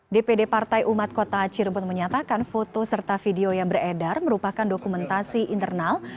dpd partai umat kota cirebon menyatakan foto serta video yang beredar merupakan dokumentasi internal